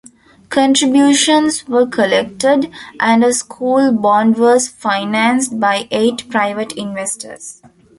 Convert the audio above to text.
Contributions were collected, and a school bond was financed by eight private investors.